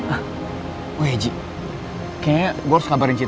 aku mau keluar avanti